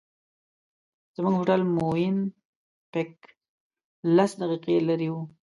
زموږ هوټل مووېن پېک لس دقیقې لرې و.